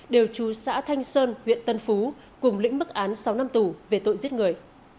đều chú xã thanh sơn huyện tân phú cùng lĩnh bức án sáu năm tù về tội giết người